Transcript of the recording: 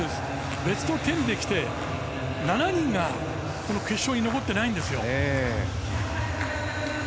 ベスト１０できて７人が決勝に残ってないんですよ。